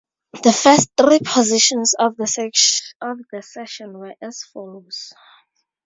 The first three positions of the session were as follows.